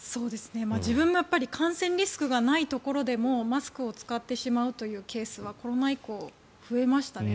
自分もやっぱり感染リスクがないところでもマスクを使ってしまうというケースはコロナ以降増えましたね。